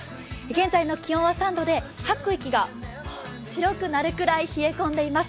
現在の気温は３度で、吐く息が白くなるくらい冷え込んでいます。